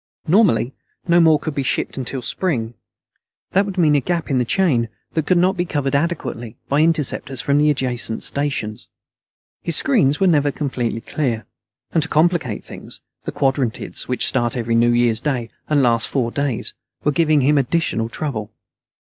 Normally, no more could be shipped in until spring. That would mean a gap in the chain that could not be covered adequately by interceptors from the adjacent stations. His screens were never completely clear. And to complicate things, the Quadrantids, which start every New Year's Day and last four days, were giving him additional trouble.